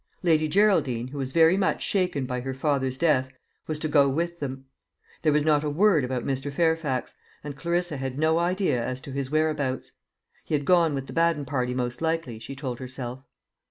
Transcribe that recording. Lady Geraldine, who was very much shaken by her father's death, was to go with them. There was not a word about Mr. Fairfax, and Clarissa had no idea as to his whereabouts. He had gone with the Baden party most likely, she told herself.